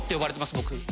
僕。